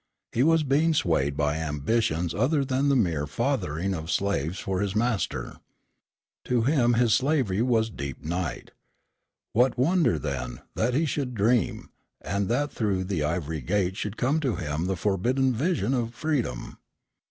He was being swayed by ambitions other than the mere fathering of slaves for his master. To him his slavery was deep night. What wonder, then, that he should dream, and that through the ivory gate should come to him the forbidden vision of freedom?